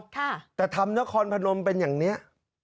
แต่ทำนครพนมเป็นอย่างเนี้ย